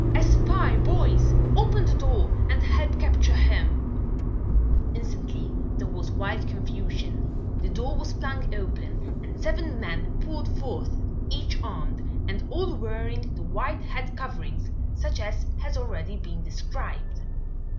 "A spy, boys! Open the door and help capture him!" Instantly there was wild confusion. The door was flung open and seven men poured forth, each armed, and all wearing the white head coverings, such as has already been described.